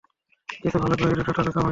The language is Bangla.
কিছু ভালো করি, দুটো টাকা কামাই।